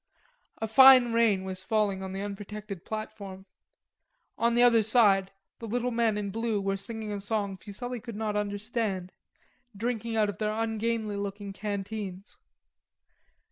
A fine rain was falling on the unprotected platform. On the other side the little men in blue were singing a song Fuselli could not understand, drinking out of their ungainly looking canteens.